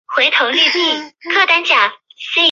汉语有丰富的谦辞和敬辞。